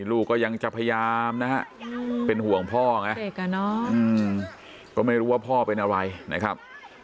ลูกก็ยังจะพยายามนะฮะเป็นห่วงพ่อไงก็ไม่รู้ว่าพ่อเป็นอะไรนะครับ